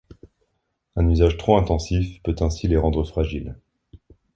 Un usage trop intensif peut ainsi les rendre fragiles.